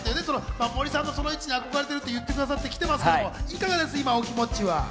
森さんのその位置に憧れてると言ってくださって来てますけど、今、お気持ちは？